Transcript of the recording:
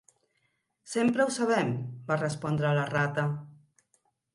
"Sempre ho sabem", va respondre la rata.